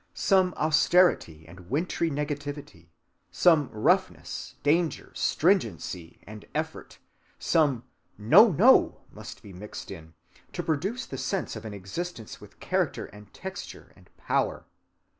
Some austerity and wintry negativity, some roughness, danger, stringency, and effort, some "no! no!" must be mixed in, to produce the sense of an existence with character and texture and power.